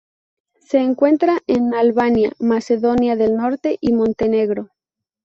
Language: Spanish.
Se encuentra en Albania, Macedonia del Norte y Montenegro.